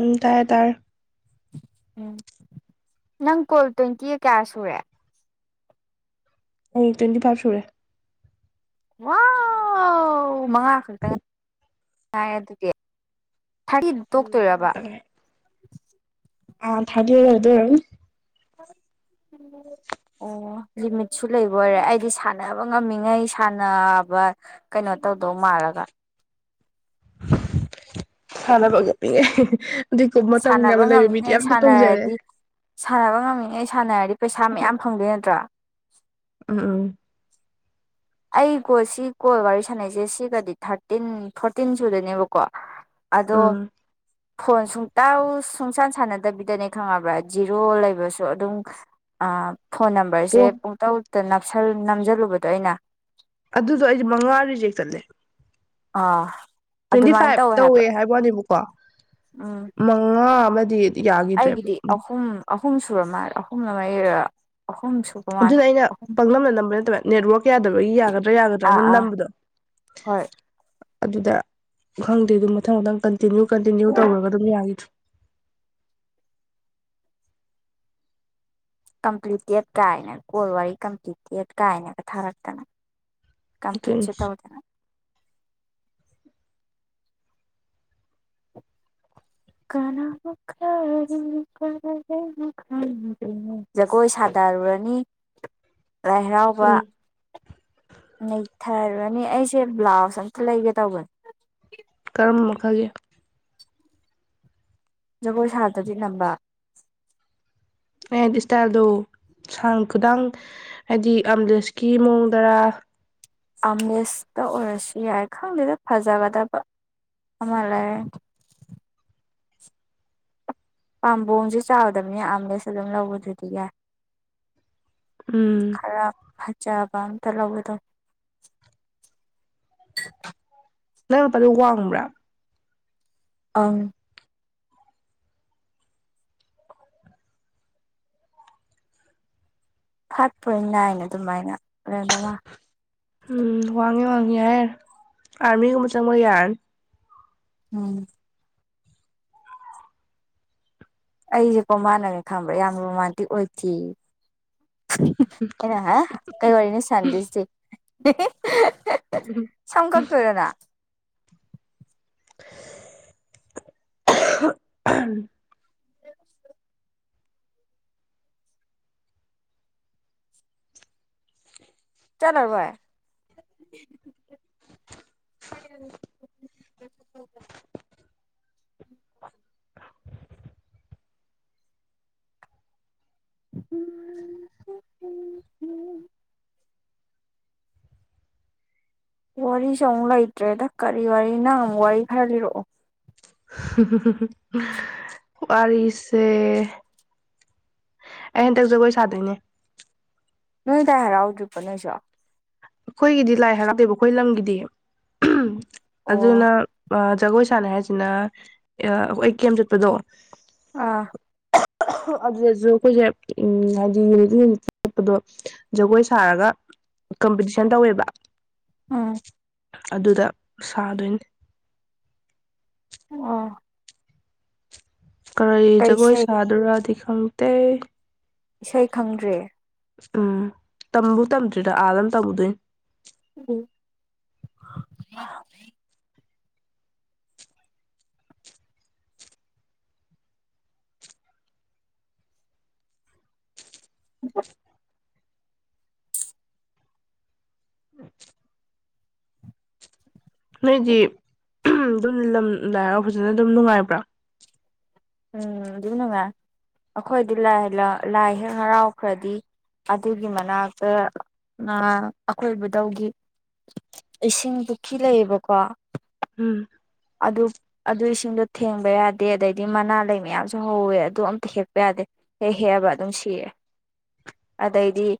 ꯎꯝ ꯇꯥꯔꯦ-ꯇꯥꯔꯦ ꯎꯝ ꯅꯪ ꯀꯣꯜ ꯇ꯭ꯋꯦꯟꯇꯤꯒ ꯀꯌꯥ ꯁꯨꯔꯦ ꯑꯩ ꯇ꯭ꯋꯦꯟꯇꯤ ꯐꯥꯏꯚ ꯁꯨꯔꯦ ꯋꯥꯎ ꯃꯉꯥ ꯈꯛꯇ ꯉ ꯉꯥꯏꯔꯦ ꯑꯗꯨꯗꯤ ꯊ꯭ꯔꯥꯇꯤ ꯇꯣꯛ ꯎꯝ ꯃꯉꯥ ꯇꯣꯏꯔꯕꯥ ꯈꯛꯇ ꯉꯥꯏꯔꯦ ꯑꯥ ꯊꯥꯔ꯭ꯇꯤ ꯌꯧꯗꯣꯏ ꯑꯣꯏꯔꯝꯅꯤ ꯑꯣ ꯂꯤꯃꯤꯠꯁꯨ ꯂꯩꯕꯣꯏꯔꯦ ꯑꯩꯗꯤ ꯁꯥꯟꯅꯕ ꯉꯝꯃꯤꯉꯩ ꯁꯥꯟꯅꯕ ꯀꯩꯅꯣ ꯇꯧꯗꯧ ꯃꯥꯜꯂꯒ [unintelligible] ꯃꯇꯝ ꯁꯥꯟꯅꯕ ꯌꯥꯝꯅ ꯂꯩꯕ ꯃꯤꯗꯤ ꯉꯝꯃꯤꯉꯩ ꯌꯥꯝꯗꯤ ꯇꯣꯡꯖꯔꯦ ꯁꯥꯟꯅꯔꯗꯤ ꯁꯥꯟꯅꯕ ꯉꯝꯃꯤꯉꯩ ꯁꯥꯟꯅꯔꯗꯤ ꯄꯩꯁꯥ ꯃꯌꯥꯝ ꯐꯪꯗꯣꯏ ꯅꯠꯇꯔꯣ [unintelligible] ꯑꯩ ꯀꯣꯜ ꯁꯤ ꯀꯣꯜ ꯋꯥꯔꯤ ꯁꯥꯟꯅꯩꯁꯦ ꯁꯤꯒꯗꯤ ꯊꯥꯔꯇꯤꯟ ꯐꯣꯔꯇꯤꯟ ꯁꯨꯔꯗꯣꯏꯅꯦꯕꯀꯣ ꯑꯗꯣ ꯎꯝ ꯐꯣꯟ ꯁꯨꯡꯇꯧꯎ ꯁꯨꯡꯁꯥꯟ ꯁꯥꯟꯅꯗꯕꯤꯗꯅꯦ ꯈꯪꯉꯕꯔꯥ ꯖꯤꯔꯣ ꯂꯩꯕꯁꯨ ꯑꯗꯨꯝ ꯑꯥ ꯐꯣꯟ ꯅꯝꯕꯔꯁꯦ ꯑꯣ ꯄꯨꯡ ꯇꯧ ꯅꯞꯁꯜ ꯅꯝꯖꯜꯂꯨꯕꯗꯣ ꯑꯩꯅ ꯑꯗꯨꯗꯣ ꯑꯩꯗꯤ ꯃꯉꯥ ꯔꯤꯖꯦꯛ ꯆꯠꯂꯦ ꯑꯥ ꯇ꯭ꯋꯦꯟꯇꯤ ꯐꯥꯏꯚ ꯇꯧꯋꯦ ꯍꯥꯏꯕ ꯋꯥꯅꯦꯕꯀꯣ ꯎꯝ ꯃꯉꯥ ꯑꯃꯗꯤ [unintelligible] ꯑꯩꯒꯤꯗꯤ ꯑꯍꯨꯝ ꯑꯍꯨꯝ ꯁꯨꯔ ꯃꯥꯜꯂꯦ ꯑꯍꯨꯝꯂ ꯃꯔꯤꯔꯥ ꯑꯗꯨꯅ ꯑꯩꯅ ꯄꯪꯅꯝꯗ ꯅꯝꯕ ꯅꯠꯇꯔꯥ ꯅꯦꯠꯋꯛ ꯌꯥꯗꯕꯒꯤ ꯌꯥꯒꯗꯔꯥ- ꯌꯥꯒꯗꯔꯥꯅ ꯑꯥ ꯑꯗꯨꯝ ꯑꯥ ꯅꯝꯕꯗꯣ ꯍꯣꯏ ꯑꯗꯨꯗ ꯈꯪꯗꯦ ꯑꯗꯨꯝ ꯃꯊꯪ ꯃꯊꯪ ꯄꯅ ꯀꯟꯇꯤꯅ꯭ꯌꯨ ꯀꯟꯇꯤꯅ꯭ꯌꯨ ꯇꯧꯔꯒ ꯑꯗꯨꯝ ꯌꯥꯒꯤꯗꯔꯦ ꯀꯝꯄ꯭ꯂꯤꯇꯦꯠ ꯀꯥꯏꯅ ꯀꯣꯜ ꯋꯥꯔꯤ ꯀꯝꯄ꯭ꯂꯤꯠꯦꯠ ꯀꯥꯏꯅꯒ ꯊꯥꯔꯛꯇꯅ ꯑꯗꯨꯏꯅꯤ ꯀꯝꯀ꯭ꯂꯤꯠꯁꯨ ꯇꯧꯗꯅ ꯀꯅꯥꯅꯣ ꯀꯔꯤꯅꯣ ꯀꯗꯥꯏꯗꯩꯅꯣ ꯈꯪꯗꯔꯤꯉꯩ ꯖꯒꯣꯏ ꯁꯥꯗꯔꯨꯔꯅꯤ ꯂꯥꯏ ꯍꯔꯥꯎꯕ ꯎꯝ ꯅꯩꯊꯔ ꯅꯦ ꯑꯩꯁꯦ ꯕ꯭ꯂꯥꯎꯁ ꯑꯝꯇ ꯂꯩꯒꯦ ꯇꯧꯕꯅꯦ ꯀꯔꯝꯕ ꯃꯈꯜꯒꯤ ꯖꯒꯣꯏ ꯁꯥꯗꯗꯤ ꯅꯝꯕ ꯑꯩ ꯍꯥꯏꯗꯤ ꯏꯁꯇꯥꯏꯜꯗꯣ ꯁꯥꯡ ꯈꯨꯗꯥꯡ ꯍꯥꯏꯗꯤ ꯑꯝꯂꯦꯁꯀꯤ ꯃꯑꯣꯡꯗꯔꯥ ꯑꯝꯂꯦꯁꯇ ꯑꯣꯏꯔꯁꯨ ꯌꯥꯏ ꯈꯪꯗꯦꯗ ꯐꯖꯒꯗꯕ ꯑꯃ ꯂꯩꯔꯅꯤ ꯄꯥꯝꯕꯣꯝꯁꯦ ꯆꯥꯎꯗꯝꯅꯤꯅ ꯑꯝꯂꯦꯁ ꯑꯗꯨꯝ ꯂꯧꯕꯗꯨꯗꯤ ꯌꯥꯏ ꯎꯝ ꯈꯔ ꯐꯖꯞ ꯀꯋꯥ ꯑꯃꯇ ꯂꯧꯒꯦ ꯇꯧꯅꯤ [unintelligible] ꯋꯥꯡꯕ꯭ꯔꯥ ꯑꯪ ꯐꯥꯏꯚ ꯄꯣꯏꯟ ꯅꯥꯏꯟ ꯑꯗꯨꯃꯥꯏꯅ ꯂꯩꯔꯝꯗꯧ ꯃꯥꯜꯂꯦ ꯎꯝ ꯋꯥꯡꯉꯦ ꯋꯥꯉꯦ ꯌꯥꯔꯦ ꯌꯥꯔ ꯑꯥꯔꯃꯤꯒꯨꯝꯕ ꯆꯪꯕ ꯌꯥꯔꯅꯤ ꯎꯝ ꯑꯩꯖꯦꯀꯣ ꯃꯥꯟꯅꯅꯦ ꯈꯪꯕ꯭ꯔꯥ ꯌꯥꯝ ꯔꯣꯃꯥꯟꯇꯤꯛ ꯑꯣꯏꯗꯦꯌꯦ ꯑꯩꯅ ꯍꯥ ꯀꯩ ꯋꯥꯔꯤꯅꯣ ꯁꯥꯟꯅꯗꯣꯏꯁꯦ [unintelligible] ꯁꯝ ꯀꯛ ꯇꯣꯏꯔꯣ ꯅꯪ [inaudible] ꯆꯠꯂꯔꯣꯢ [inaudible] [unintelligible] ꯋꯥꯔꯤꯁꯨ ꯑꯃꯨꯛ ꯂꯩꯇ꯭ꯔꯦꯗ ꯀꯔꯤ ꯋꯥꯔꯤ ꯅꯪ ꯑꯃꯨꯛ ꯋꯥꯔꯤ ꯈꯔ ꯂꯤꯔꯛꯑꯣ ꯋꯥꯔꯤꯁꯦ ꯑꯩ ꯍꯟꯇꯛ ꯖꯒꯣꯏ ꯁꯥꯗꯣꯏꯅꯦ ꯅꯣꯏ ꯂꯥꯏ ꯍꯥꯏꯔꯥꯎꯗ꯭ꯔꯤꯕꯣ ꯅꯣꯏꯁꯨ ꯑꯩꯈꯣꯏꯗꯤ ꯂꯥꯏ ꯍꯔꯥꯎꯗꯦꯕ ꯑꯩꯈꯣꯏ ꯂꯝꯒꯤꯗꯤ [inaudible] ꯑꯣ ꯑꯗꯨꯅ ꯑꯥ ꯖꯒꯣꯏ ꯁꯥꯟꯅꯤ ꯍꯥꯏꯁꯤꯅ ꯑꯥ ꯈꯣꯏ ꯀꯦꯝ ꯆꯠꯄꯗꯣ ꯑꯥ ꯑꯗꯨꯗꯁꯨ ꯑꯩꯈꯣꯏꯁꯦ ꯎꯝ ꯍꯥꯏꯗꯤ [inaudible] ꯆꯠꯄꯗꯣ ꯖꯒꯣꯏ ꯁꯥꯔꯒ ꯀꯝꯄꯤꯇꯤ [unintelligible] ꯇꯧꯑꯦꯕ ꯎꯝ ꯑꯗꯨꯗ ꯁꯥꯗꯣꯏꯅꯤ ꯑꯥ ꯀꯔꯤ ꯖꯒꯣꯏ ꯏꯁꯩ ꯁꯥꯗꯣꯏꯔꯗꯤ [inaudible] ꯏꯁꯩ ꯈꯪꯗ꯭ꯔꯦ ꯎꯝ ꯇꯝꯕꯨ ꯇꯝꯗ꯭ꯔꯤꯗ ꯑꯥꯗ ꯑꯃ ꯇꯝꯃꯨꯗꯣꯏꯅꯦ [unintelligible] [inaudible] [unintelligible] ꯅꯣꯏꯗꯤ ꯑꯗꯨꯝ ꯂꯝ ꯂꯥꯏꯍꯔꯥꯎꯕ ꯐꯖꯅ ꯑꯗꯨꯝ ꯅꯨꯡꯉꯥꯏꯕ꯭ꯔꯥ ꯎꯝ ꯑꯗꯨꯝ ꯅꯨꯡꯉꯥꯏ ꯑꯩꯈꯣꯏꯗꯤ ꯂꯥꯏ ꯂꯥꯏ ꯍꯦꯛ ꯍꯔꯥꯎꯈ꯭ꯔꯗꯤ ꯑꯗꯨꯒꯤ ꯃꯅꯥꯛꯇ ꯉꯥ ꯑꯩꯈꯣꯏꯕꯨꯗꯧꯒꯤ ꯏꯁꯤꯡ ꯄꯨꯈ꯭ꯔꯤ ꯂꯩꯌꯦꯕꯀꯣ ꯎꯝ ꯑꯗꯨ ꯑꯗꯨ ꯏꯁꯤꯡꯗꯣ ꯊꯦꯡꯕ ꯌꯥꯗꯦ ꯑꯗꯩ ꯃꯅꯥ ꯂꯩ ꯃꯌꯥꯝꯁꯨ ꯍꯧꯋꯦ ꯑꯗꯨ ꯑꯝꯇ ꯍꯦꯛꯄ ꯌꯥꯗꯦ ꯍꯦꯛ ꯍꯦꯛꯑꯕ ꯑꯗꯨꯝ ꯁꯤꯔꯦ ꯑꯗꯩꯗꯤ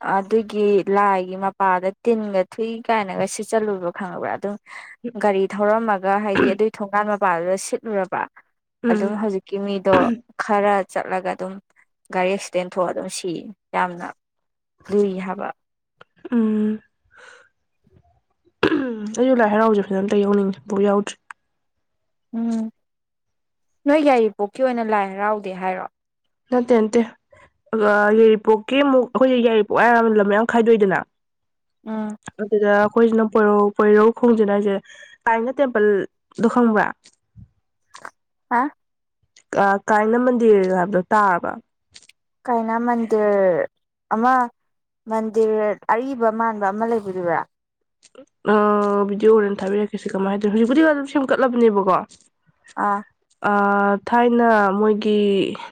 ꯑꯗꯨꯒꯤ ꯂꯥꯏꯒꯤ ꯃꯄꯥꯗ ꯇꯤꯟꯒ ꯊꯨꯏ ꯀꯥꯏꯅꯒ ꯁꯤꯠꯆꯜꯂꯨꯕꯈꯪꯉꯕ꯭ꯔꯥ ꯑꯗꯨꯝ ꯒꯥꯔꯤ ꯊꯧꯔꯝꯃꯒ ꯍꯥꯏꯗꯤ ꯑꯗꯨꯒꯤ ꯊꯣꯡꯒꯥꯟ ꯃꯄꯥꯗꯨꯗ ꯁꯤꯠꯂꯨꯔꯕ ꯎꯝ ꯑꯗꯨꯝ ꯍꯧꯖꯤꯛꯀꯤ ꯃꯤ ꯑꯗꯣ ꯈꯔ ꯆꯠꯂꯒ ꯑꯗꯨꯝ ꯒꯥꯔꯤ ꯑꯦꯛꯁꯤꯗꯦꯟ ꯊꯣꯛꯑ ꯑꯗꯨꯝ ꯁꯤꯌꯦ ꯌꯥꯝꯅ ꯂꯨꯏ ꯍꯥꯏꯕ ꯎꯝ ꯎꯝ ꯑꯩꯁꯨ ꯂꯥꯏ ꯍꯔꯥꯎꯖꯦ ꯐꯖꯅ ꯑꯝꯇ ꯌꯥꯎꯅꯤꯡꯉꯦ ꯑꯝꯕꯨ ꯌꯥꯎꯗ꯭ꯔꯤ ꯎꯝ ꯅꯣꯏ ꯌꯥꯏꯔꯤꯄꯣꯛꯀꯤ ꯑꯣꯏꯅ ꯂꯥꯏ ꯍꯔꯥꯎꯗꯦ ꯍꯥꯏꯔꯣ ꯅꯠꯇꯦ ꯅꯠꯇꯦ ꯌꯥꯏꯔꯤꯄꯣꯛꯀꯤ ꯑꯃꯨꯛ ꯑꯩꯈꯣꯏꯒꯤ ꯌꯥꯏꯔꯤꯄꯣꯛ ꯍꯥꯏꯔꯒ ꯂꯝ ꯃꯌꯥꯝ ꯈꯥꯏꯗꯣꯏꯗꯅ ꯎꯝ ꯑꯗꯨꯗ ꯑꯩꯈꯣꯏꯁꯤꯅ ꯄꯣꯏꯔꯧ ꯄꯣꯏꯔꯧꯈꯣꯡꯖꯤꯟ ꯍꯥꯏꯁꯦ ꯀꯥꯏꯅ ꯇꯦꯝꯄꯜꯗꯣ ꯈꯪꯕ꯭ꯔꯥ ꯍꯥ ꯑꯥ ꯀꯥꯏꯅ ꯃꯟꯗꯤꯔ ꯍꯥꯏꯕꯗꯣ ꯇꯥꯔꯕ ꯀꯥꯏꯅ ꯃꯟꯗꯤꯔ ꯑꯃ ꯃꯟꯗꯤꯔ ꯑꯔꯤꯕ ꯃꯥꯟꯕ ꯑꯃ ꯂꯩꯕꯗꯨꯔꯥ ꯑ ꯕꯤꯗꯤꯑꯣ ꯍꯣꯔꯦꯟ ꯊꯥꯕꯤꯔꯛꯀꯦꯁꯦ ꯀꯃꯥꯏꯅ ꯍꯥꯏꯗꯣꯏꯅꯣ ꯍꯧꯖꯤꯛꯄꯨꯗꯤ ꯑꯗꯨꯝ ꯁꯦꯝꯒꯠꯂꯕꯅꯦꯕꯀꯣ ꯑꯥ ꯑꯥ ꯊꯥꯏꯅ ꯃꯣꯏꯒꯤ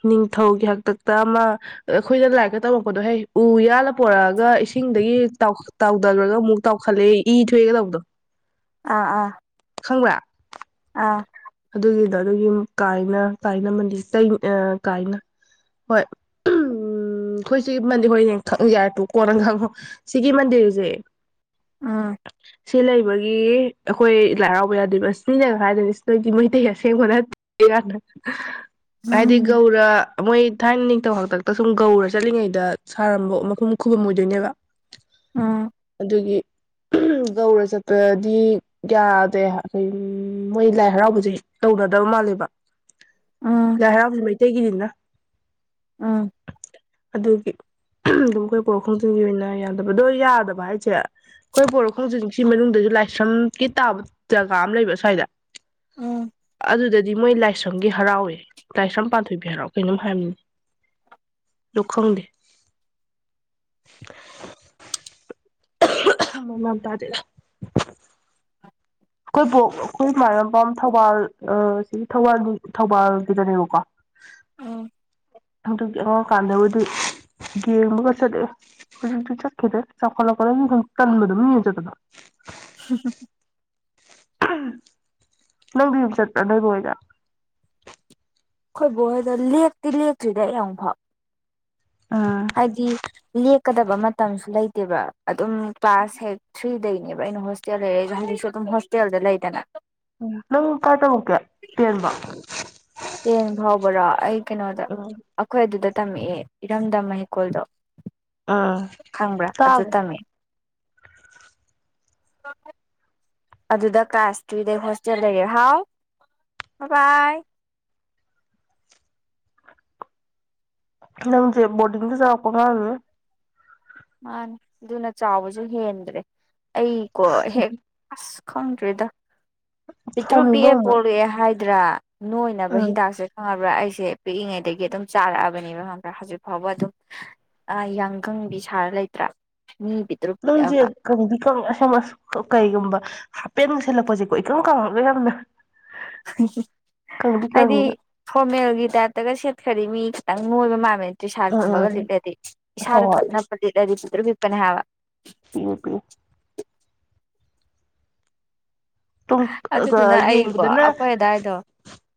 ꯅꯤꯡꯊꯧꯒꯤ ꯍꯥꯛꯇꯛꯇ ꯑꯃ ꯑꯩꯈꯣꯏꯅ ꯂꯥꯏꯔꯤꯛꯀ ꯇꯝꯃꯛꯄꯗꯣꯍꯦ ꯎ ꯌꯥꯜꯂ ꯄꯣꯔꯛꯑꯒ ꯏꯁꯤꯡꯗꯒꯤ ꯇꯥꯎ ꯇꯥꯎꯗꯒꯔꯒ ꯑꯃꯨꯛ ꯇꯥꯎ [unintelligible] ꯏ ꯊꯣꯛꯑꯦꯅ ꯇꯧꯕꯗꯣ ꯑꯥ ꯑꯥ ꯈꯪꯕ꯭ꯔꯥ ꯑꯥ ꯑꯗꯨꯒꯤꯗꯣ ꯑꯗꯨꯒꯤ ꯀꯥꯏꯅ ꯀꯥꯏꯅ ꯃꯟꯗꯤꯔ ꯀꯥꯏꯅ ꯍꯣꯏ ꯎꯝ ꯑꯩꯈꯣꯏ ꯁꯤ ꯃꯟꯗꯤꯔ ꯍꯣꯏꯑꯦ ꯈꯪꯏ ꯌꯥꯏ꯭ꯔꯦ ꯇꯣꯛꯑꯣ ꯀꯣꯟꯅ ꯉꯥꯡꯉꯣ ꯁꯤꯒꯤ ꯃꯟꯗꯤꯔꯁꯦ ꯎꯝ ꯁꯤ ꯂꯩꯕꯒꯤ ꯑꯩꯈꯣꯏ ꯂꯥꯏ ꯍꯔꯥꯎꯕ ꯌꯥꯗꯦꯕ ꯁꯤꯅ ꯀꯥꯏꯗꯦ [unintelligible] ꯃꯩꯇꯩ ꯑꯁꯦꯡꯕ ꯅꯠꯇꯦ ꯍꯥꯏꯗꯤ ꯎꯝ ꯒꯧꯔ ꯃꯣꯏ ꯊꯥꯏꯅ ꯅꯤꯡꯊꯧ ꯍꯥꯛꯇꯛꯇ ꯁꯨꯝ ꯒꯧꯔ ꯆꯠꯂꯤꯉꯩꯗ ꯁꯥꯔꯝꯕ [unintelligible] ꯈꯨꯕꯝ ꯑꯣꯏꯗꯣꯏꯅꯦꯕ ꯎꯝ ꯑꯗꯨꯒꯤ ꯒꯧꯔ ꯆꯠꯄꯗꯤ ꯌꯥꯗꯦ ꯎꯝ ꯃꯣꯏ ꯂꯥꯏ ꯍꯔꯥꯎꯕꯁꯦ ꯇꯧꯅꯗꯕ ꯃꯥꯜꯂꯦꯕ ꯎꯝ ꯂꯥꯏꯍꯔꯎꯕꯖ ꯃꯩ [unintelligible] ꯎꯝ ꯑꯗꯨꯒꯤ ꯑꯗꯨꯝ ꯑꯩꯈꯣꯏ ꯕꯣꯔꯣꯛꯈꯣꯟꯖꯟꯒꯤ ꯑꯣꯏꯅ ꯌꯥꯗꯕꯗꯣ ꯌꯥꯗꯕ ꯍꯥꯏ ꯁꯦ ꯑꯩꯈꯣꯏ ꯕꯣꯔꯣꯛ ꯈꯣꯡꯖꯟꯁꯤ ꯃꯅꯨꯡꯗꯁꯨ ꯂꯥꯏꯁ꯭ꯔꯝꯒꯤ ꯇꯥꯕ ꯖꯒꯥ ꯑꯃ ꯂꯩꯕ ꯁꯁ꯭ꯋꯥꯏꯗ ꯎꯝ ꯑꯗꯨꯗꯗꯤ ꯃꯣꯏ ꯂꯥꯏꯁ꯭ꯔꯝꯒꯤ ꯍꯔꯥꯎꯋꯦ ꯂꯥꯏꯁ꯭ꯔꯝ ꯄꯥꯟꯊꯣꯏꯕꯤ ꯍꯔꯥꯎ ꯀꯩꯅꯣꯝ ꯍꯥꯏꯕꯅꯤ ꯑꯗꯨ ꯈꯪꯗꯦ [unintelligible] ꯇꯥꯗꯦꯗ ꯑꯩꯈꯣꯏꯕꯣꯛ ꯑꯩꯈꯣꯏꯃꯥꯏꯔꯝꯄꯥꯝ ꯊꯧꯕꯥꯜ ꯑ ꯑꯁꯤꯒꯤ ꯊꯧꯕꯥꯜꯒꯤ ꯊꯧꯕꯥꯜꯒꯤꯗꯅꯦꯕꯀꯣ ꯎꯝ ꯑꯗꯨ ꯑꯉꯥꯡꯑꯣꯏꯀꯥꯟꯗꯕꯨꯗꯤ ꯌꯦꯡꯕꯒ ꯆꯠꯂꯑꯦ ꯍꯧꯖꯤꯛꯇꯤ ꯆꯠꯈꯤꯗ꯭ꯔꯦ ꯆꯥꯎꯈꯠꯂꯛꯄ ꯇꯟꯕꯗꯣ ꯃꯤꯃꯌꯨꯝ ꯆꯠꯄꯗꯣ ꯍꯝ [unintelligible] ꯅꯪꯗꯤ ꯑꯗꯨꯡ ꯆꯠꯄꯔꯣ ꯅꯣꯏꯕꯣꯛ ꯍꯣꯏꯗ ꯑꯩꯈꯣꯏ ꯕꯣꯍꯣꯏꯗ ꯂꯦꯛꯇꯤ ꯂꯦꯛꯇ꯭ꯔꯤꯗ ꯑꯩ ꯑꯃꯨꯛ ꯐꯥꯎ ꯍꯥꯏꯗꯤ ꯂꯦꯛ ꯆꯛꯀꯗꯕ ꯃꯇꯝꯁꯨ ꯂꯩꯇꯦꯕ ꯑꯗꯨꯝ ꯀ꯭ꯂꯥꯁ ꯍꯦꯛ ꯊ꯭ꯔꯤꯗꯩꯅꯦꯕ ꯑꯩꯅ ꯍꯣꯁꯇꯦꯜ ꯂꯩꯔꯩꯖꯦ ꯍꯧꯖꯤꯛꯁꯨ ꯑꯗꯨꯝ ꯍꯣꯁꯇꯦꯜꯗ ꯂꯩꯗꯅ ꯎ ꯅꯪ ꯀꯥꯏ ꯇꯝꯃꯛꯀꯦ ꯇꯦꯟꯕꯥꯎ ꯇꯦꯟ ꯐꯥꯎꯕ꯭ꯔꯣ ꯑꯩ ꯀꯩꯅꯣꯗ ꯎꯝ ꯑꯩꯈꯣꯏ ꯑꯗꯨꯗ ꯇꯝꯃꯛꯑꯦ ꯏꯔꯝꯗꯝ ꯍꯩꯀꯣꯜꯗꯣ ꯑꯥ ꯀꯥꯕ [unintelligible] ꯑꯗꯨꯗ ꯀ꯭ꯂꯥꯁ ꯊ꯭ꯔꯤꯗꯩ ꯍꯣꯁꯇꯦꯜ ꯂꯩꯔꯦ ꯍꯥꯎ ꯕꯥ ꯕꯥꯏ ꯅ ꯪꯖꯦ ꯕꯣꯔꯗꯤꯡꯗ ꯆꯥꯎꯔꯛꯄ ꯑꯉꯥꯡꯅꯤꯅꯦ ꯃꯥꯅꯤ ꯑꯗꯨꯅ ꯆꯥꯎꯕꯖꯨ ꯍꯦꯟꯗ꯭ꯔꯦ ꯑꯩꯀꯣ ꯍꯦꯛ ꯑꯁ ꯈꯪꯗ꯭ꯔꯤꯗ ꯄꯤꯇ꯭ꯔꯨ ꯁꯥꯎꯅꯤꯡꯕ ꯄꯤꯑꯦ ꯑꯃꯨꯛ ꯄꯣꯔꯑꯦ ꯍꯥꯏ ꯗ꯭ꯔꯥ ꯅꯣꯏꯅꯕ ꯍꯤꯗꯥꯛꯁꯦ ꯈꯪꯉꯕ꯭ꯔꯥ ꯑꯩ ꯑꯩꯁꯦ ꯄꯤꯛꯏꯉꯩꯗꯒꯤ ꯑꯗꯨꯝ ꯆꯥꯔꯛꯑꯕꯅꯦꯕ ꯈꯪꯕ꯭ꯔꯥ ꯍꯧꯖꯤꯛ ꯐꯥꯎꯕ ꯑꯗꯨꯝ ꯌꯥꯡꯀꯪꯕꯤ ꯁꯥꯔ ꯂꯩꯇ꯭ꯔꯥ ꯃꯤ ꯄꯤꯛꯇ꯭ꯔꯨ ꯅꯪꯖꯦ ꯄꯤꯛꯑꯒ ꯀꯪꯗꯤ ꯀꯪꯉꯦ ꯑꯁꯦꯡꯕ ꯑꯁ ꯀꯩꯒꯨꯝꯕ ꯍꯥꯄꯦꯟꯒ ꯁꯦꯠꯂꯛꯄꯖꯦꯀꯣ ꯏꯀꯪ ꯀꯪꯉꯒ ꯌꯥꯝꯅ ꯀꯪꯗꯤ ꯍꯥꯏꯗꯤ ꯀꯪꯉꯦꯕ ꯐꯣꯔꯃꯦꯜꯒꯤ ꯇꯥꯏꯞꯇꯒ ꯁꯦꯠꯈ꯭ꯔꯗꯤ ꯃꯤ ꯈꯤꯇꯪꯪ ꯅꯣꯏꯕ ꯃꯥꯟꯕꯅꯦ ꯇ꯭ꯔꯤꯁꯥꯠ ꯎꯝ ꯎꯝ ꯀꯨꯝꯕꯒ ꯎꯝ ꯂꯤꯠꯂꯗꯤ ꯍꯣꯏ ꯏꯁꯥꯗ ꯇꯞꯅꯞꯄ ꯂꯤꯠꯂꯗꯤ ꯄꯤꯇ꯭ꯔꯨ ꯄꯤꯛꯄꯅꯦ ꯍꯥꯏꯕ ꯄꯤꯑꯦ ꯄꯤꯑꯦ ꯇꯨꯡ ꯑꯗꯨꯗꯨꯅ ꯑꯩꯀꯣ ꯌꯦꯡꯕꯗꯅ ꯑꯩꯈꯣꯏ ꯑꯗꯥꯏꯗꯣ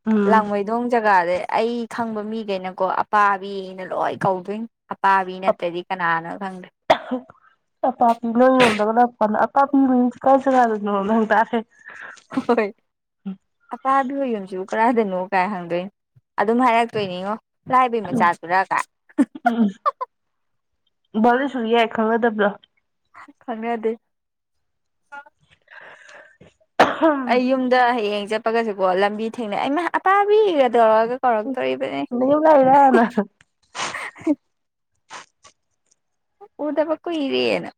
ꯎꯝ ꯂꯥꯡꯃꯩꯗꯣꯡ ꯖꯒꯥꯗꯩ ꯑꯩ ꯈꯪꯕ ꯃꯤꯒꯩꯅꯀꯣ ꯑꯄꯥꯕꯤꯅ ꯂꯣꯏ ꯀꯧꯗꯣꯏꯅꯤ ꯑꯄꯥꯕꯤ ꯅꯠꯇ꯭ꯔꯗꯤ ꯀꯅꯥꯅꯣ ꯈꯪꯗ꯭ꯔꯦ ꯄꯥꯄꯄꯤꯅ ꯌꯧꯗꯕꯅ ꯄꯥꯄꯤ ꯃꯌꯨꯝꯖꯦ ꯀꯗꯥꯏ ꯖꯒꯥꯗꯅꯣ ꯍꯪ ꯇꯥꯁꯦ [unintelligible] ꯍꯣꯏ ꯑꯄꯥꯕꯤ ꯍꯣꯏ ꯌꯨꯝꯁꯤꯕꯨ ꯀꯔꯥꯏꯗꯅꯣ ꯀꯥꯏ ꯍꯪꯗꯣꯏꯅꯤ ꯑꯗꯨꯝ ꯍꯥꯏꯔꯛꯇꯣꯏꯅꯤ ꯏꯉꯣ ꯂꯥꯏꯕꯩ ꯃꯆꯥꯗꯨꯔ ꯀꯥꯏ ꯚꯔꯁꯣꯔꯤ ꯍꯥꯏ ꯈꯪꯅꯗꯕꯗꯣ ꯈꯪꯅꯗꯦ ꯍ ꯑꯩ ꯌꯨꯝꯗ ꯍꯌꯦꯡ ꯆꯠꯄ ꯒꯁꯦꯀꯣ ꯂꯝꯕꯤ ꯊꯦꯡꯅꯩ ꯍꯩꯃꯥ ꯑꯇꯥꯕꯤ ꯇꯧꯔꯒ ꯀꯧꯔꯛ ꯇꯧꯔꯤꯕꯅꯤ ꯅꯌꯨꯝ ꯂꯥꯛꯏꯔꯅ ꯎꯗꯕ ꯀꯨꯏꯔꯦꯅ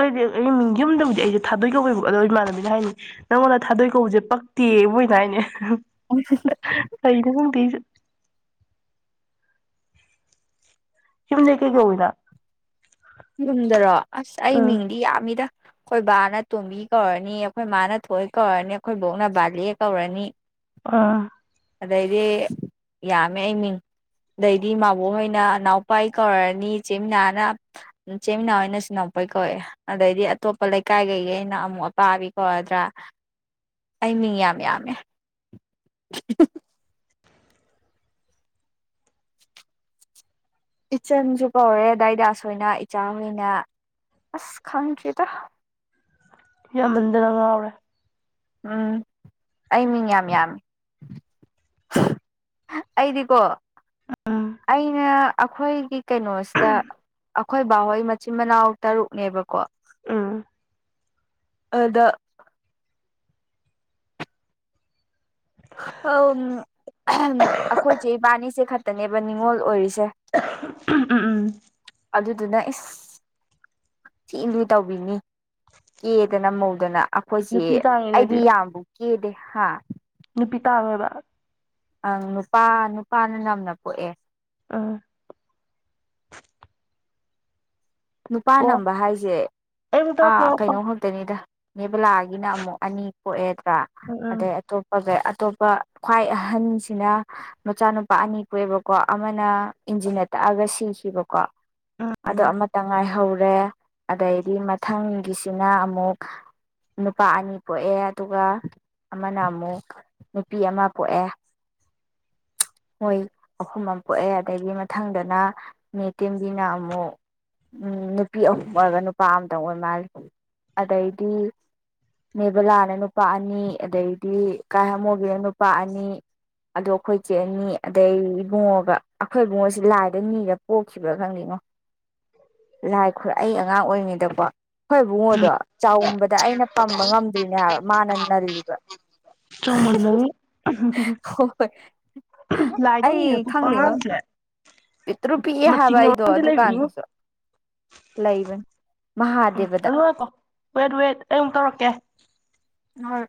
ꯑꯩꯗꯤ ꯑꯩ ꯃꯤꯡ ꯌꯨꯝꯗ ꯕꯨꯗꯤ ꯑꯩꯁꯦ ꯊꯥꯗꯣꯏ ꯀꯧꯌꯦꯕꯀꯣ ꯑꯗꯣ ꯏꯃꯥꯟꯅꯕꯤꯅ ꯍꯥꯏꯅꯦ ꯅꯪꯉꯣꯟꯗ ꯊꯥꯗꯣꯏ ꯀꯧꯕꯁꯦ ꯄꯛꯇꯦꯌꯦ ꯃꯣꯏꯅ ꯍꯥꯏꯅꯦ [unintelligible] ꯌꯨꯝꯗ ꯀꯩ ꯀꯧꯒꯦ ꯅꯪ ꯌꯨꯝꯗꯔꯣ ꯑꯁ ꯑꯩ ꯎꯝ ꯃꯤꯡꯗꯤ ꯌꯥꯝꯃꯤꯗ ꯑꯩꯈꯣꯏ ꯕꯥꯅ ꯇꯣꯝꯕꯤ ꯀꯧꯔꯅꯤ ꯑꯩꯈꯣꯏ ꯃꯥꯅ ꯊꯣꯏ ꯀꯧꯔꯅꯤ ꯑꯩꯈꯣꯏ ꯕꯣꯛꯅ ꯕꯥꯂꯦ ꯀꯧꯔꯅꯤ ꯑ ꯑꯗꯩꯗꯤ ꯌꯥꯝꯃꯦ ꯑꯩ ꯃꯤꯡ ꯑꯗꯩꯗꯤ ꯃꯥꯕꯣꯛꯍꯣꯏꯅ ꯏꯅꯥꯎꯄꯥ ꯀꯧꯔꯅꯤ ꯏꯆꯦꯃꯤꯅꯥꯅ ꯏꯆꯦꯃꯤꯅꯥ ꯑꯣꯏꯅꯁꯨ ꯅꯣꯛꯄꯩ ꯀꯧꯑꯦ ꯑꯗꯩꯗꯤ ꯑꯇꯣꯞꯄ ꯂꯩꯀꯥꯏꯒꯩꯒꯤꯅ ꯑꯃꯨꯛ ꯑꯄꯥꯕꯤ ꯀꯣꯔꯗ꯭ꯔꯥ ꯑꯩ ꯃꯤꯡ ꯌꯥꯝ ꯌꯥꯝꯃꯦ ꯏꯆꯟꯁꯨ ꯀꯧꯔꯦ ꯗꯥ ꯗꯥꯁꯣꯏꯅ ꯏꯆꯥ ꯍꯣꯏꯅ ꯑꯁ ꯈꯪꯗ꯭ꯔꯦꯗ ꯌꯥꯝꯃꯟꯗꯅ ꯉꯥꯎꯔꯦ ꯎꯝ ꯑꯩ ꯃꯤꯡ ꯌꯥꯝ ꯌꯥꯝꯃꯤ ꯑꯩꯗꯤꯀꯣ ꯎꯝ ꯑꯩꯅ ꯑꯩꯈꯣꯏꯒꯤ ꯀꯩꯅꯣꯁꯤꯗ ꯑꯩꯈꯣꯏ ꯕꯥꯍꯣꯏ ꯃꯆꯤꯟ ꯃꯅꯥꯎ ꯇꯔꯨꯛꯅꯦꯕꯀꯣ ꯎꯝ ꯑꯗꯨꯗ ꯑꯍꯝ ꯑꯝ ꯑꯩꯈꯣꯏ ꯆꯦ ꯏꯕꯥꯟꯅꯤꯁꯦ ꯈꯛꯇ ꯅꯦꯕ ꯅꯤꯡꯉꯣꯜ ꯑꯣꯏꯔꯤꯁꯦ ꯎꯝ ꯎꯝ ꯎꯝ ꯑꯗꯨꯗꯨꯅ ꯏꯁ ꯊꯤ ꯂꯨꯅ ꯇꯧꯕꯤꯅꯤ ꯀꯦꯗꯅ ꯃꯧꯗꯅ ꯑꯩꯈꯣꯏ ꯆꯦ ꯅꯨꯄꯤ ꯇꯥꯡꯉꯦ ꯑꯩꯗꯤ ꯅꯣꯏꯗꯤ ꯌꯥꯝꯕꯨ ꯀꯦꯗꯦ ꯍꯥꯥ ꯅꯨꯄꯤ ꯇꯥꯡꯉꯦꯕ ꯑꯪ ꯅꯨꯄꯥ ꯅꯨꯄꯥꯅ ꯅꯝꯅ ꯄꯣꯛꯑꯦ ꯑꯥ ꯅꯨꯄꯥ ꯅꯝꯕ ꯍꯥꯏꯁꯦ ꯑꯩ ꯑꯃꯨꯛ ꯇꯧꯔꯛꯀꯦ ꯑꯥ ꯉꯥꯏꯈꯣ ꯀꯩꯅꯣ ꯈꯛꯇꯅꯤꯗ ꯅꯦꯕꯂꯥꯒꯤꯅ ꯑꯃꯨꯛ ꯑꯅꯤ ꯄꯣꯛ ꯑꯦꯗ꯭ꯔꯥ ꯎꯝ ꯎꯝ ꯑꯗꯩ ꯑꯇꯣꯞꯄꯒꯩ ꯑꯇꯣꯞꯄ ꯈ꯭ꯋꯥꯏ ꯑꯍꯟꯁꯤꯅ ꯃꯆꯥꯅꯨꯄꯥ ꯑꯅꯤ ꯄꯣꯛ ꯑꯦꯕꯀꯣ ꯑꯃꯅ ꯏꯟꯖꯤꯟꯅ ꯇꯛ ꯑꯒ ꯁꯤꯈꯤꯕꯀꯣ ꯎꯝ ꯑꯗꯣ ꯑꯃ ꯉꯥꯏꯍꯧꯔꯦ ꯑꯗꯩꯗꯤ ꯃꯊꯪꯒꯤꯁꯤꯅ ꯑꯃꯨꯛ ꯅꯨꯄꯥ ꯑꯅꯤ ꯄꯣꯛꯑꯦ ꯑꯗꯨꯒ ꯑꯃꯅ ꯑꯃꯨꯛ ꯅꯨꯄꯤ ꯑꯃ ꯄꯣꯛꯑꯦ ꯃꯣꯏ ꯑꯍꯨꯝ ꯑꯃ ꯄꯣꯛꯑꯦ ꯑꯗꯨꯗꯒꯤꯗꯤ ꯃꯊꯪꯗꯅ ꯃꯦꯇꯦꯝꯕꯤꯅ ꯑꯃꯨꯛ ꯅꯨꯄꯤ ꯑꯍꯨꯝ ꯑꯣꯏꯔꯒ ꯅꯨꯄꯥ ꯑꯃꯇꯪ ꯑꯣꯏ ꯃꯥꯜꯂꯦ ꯑꯗꯩꯗꯤ ꯅꯦꯕꯂꯥꯅ ꯅꯨꯄꯥ ꯑꯅꯤ ꯑꯗꯩꯗꯤ ꯀꯥꯏꯃꯨꯕꯤꯅ ꯅꯨꯄꯥ ꯑꯅꯤ ꯑꯗꯣ ꯑꯩꯈꯣꯏ ꯑꯩꯈꯣꯏ ꯆꯦ ꯑꯅꯤ ꯑꯗꯩ ꯏꯕꯨꯡꯉꯣꯒ ꯑꯩꯈꯣꯏ ꯏꯕꯨꯡꯉꯣꯁꯨ ꯂꯥꯏꯗꯒꯤ ꯅꯤꯔꯥ ꯄꯣꯛꯈꯤꯕ꯭ꯔꯥ ꯈꯪꯗꯦꯉꯣ ꯂꯥꯏ ꯈꯨꯔ ꯑꯩ ꯑꯉꯥꯡ ꯑꯣꯏꯔꯤꯉꯩꯗꯀꯣ ꯑꯩꯈꯣꯏ ꯏꯕꯨꯡꯉꯣꯗꯣ ꯆꯥꯛꯎꯝꯕꯗ ꯑꯩꯅ ꯄꯝꯕ ꯉꯝꯗ꯭ꯔꯤꯅꯦ ꯍꯥꯏꯕ ꯃꯥꯅꯅ ꯅꯟꯂꯤꯕ ꯆꯥꯎꯃꯟꯕꯒꯤ ꯍꯣꯏ ꯍꯣꯏ ꯂꯥꯏꯗ ꯅꯤꯔꯒ ꯑꯩ ꯄꯣꯛꯄ ꯈꯪꯗꯦꯉꯣ ꯑꯉꯥꯡꯁꯦ ꯄꯤꯛꯇ꯭ꯔꯨ ꯄꯤꯛꯑꯦ ꯍꯥꯏꯕ ꯃꯆꯤꯡ ꯑꯩꯗꯣ ꯑꯃꯝꯗꯤ ꯂꯩꯕꯅꯤꯉꯣ ꯑꯗꯨꯀꯥꯟꯗꯨꯁꯨ ꯂꯩꯕꯅꯤ ꯎꯝ ꯃꯍꯥꯗꯦꯕꯗ ꯑꯗꯨ ꯅꯥꯏꯈꯣ ꯋꯦꯠ ꯋꯦꯠ ꯑꯩ ꯑꯃꯨꯛ ꯇꯧꯔꯛꯀꯦ ꯍꯣꯏ